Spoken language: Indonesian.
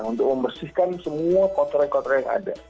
untuk membersihkan semua kotoran kotoran yang ada